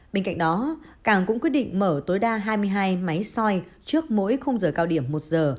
bên cạnh đó cảng cũng quyết định mở tối đa hai mươi hai máy soi trước mỗi khung giờ cao điểm một giờ